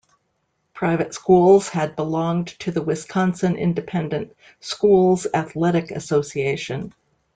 Private schools had belonged to the Wisconsin Independent Schools Athletic Association.